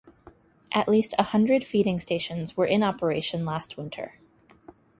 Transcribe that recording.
At least a hundred feeding stations were in operation last winter.